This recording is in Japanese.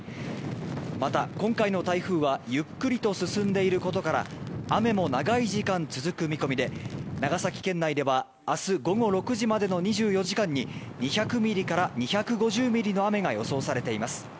また、今回の台風はゆっくりと進んでいることから雨も長い時間続く見込みで長崎県内では明日午後６時までの２４時間に２００ミリから２５０ミリの雨が予想されています。